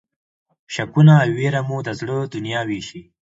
شکونه او وېره مو د زړه دنیا وېشي.